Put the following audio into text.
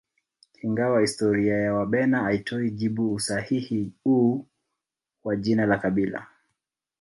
Ingawa historia ya Wabena haitoi jibu usahihi huu wa jina la kabila